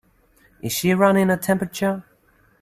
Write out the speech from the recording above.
Is she running a temperature?